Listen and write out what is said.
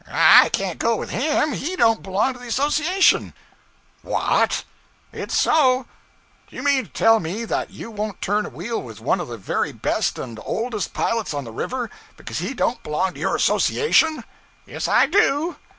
'I can't go with him. He don't belong to the association.' 'What!' 'It's so.' 'Do you mean to tell me that you won't turn a wheel with one of the very best and oldest pilots on the river because he don't belong to your association?' 'Yes, I do.'